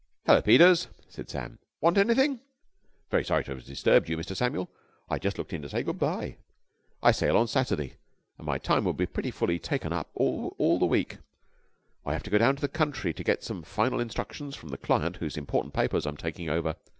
"Hullo, Peters," said Sam. "Want anything?" "Very sorry to have disturbed you, Mr. Samuel. I just looked in to say good bye. I sail on Saturday, and my time will be pretty fully taken up all the week. I have to go down to the country to get some final instructions from the client whose important papers I am taking over.